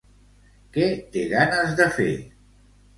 Què té ganes de fer?